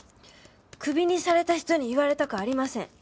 クビにされた人に言われたくありません。